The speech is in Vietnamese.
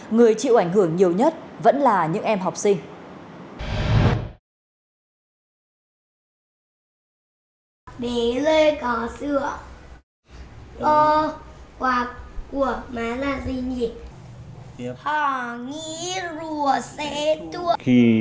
người chịu ảnh hưởng nhiều nhất vẫn là những em học sinh